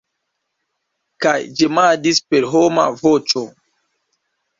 Kaj ĝemadis per homa voĉo.